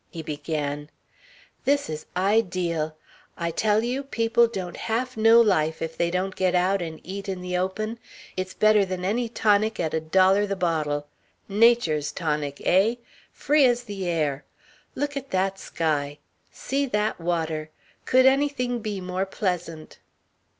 He began: "This is ideal. I tell you, people don't half know life if they don't get out and eat in the open. It's better than any tonic at a dollar the bottle. Nature's tonic eh? Free as the air. Look at that sky. See that water. Could anything be more pleasant?"